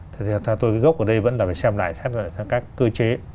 thực ra tôi cái gốc ở đây vẫn là phải xem lại các cơ chế